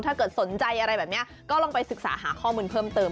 ถ้าเกิดสนใจอะไรแบบนี้ก็ลองไปศึกษาหาข้อมูลเพิ่มเติม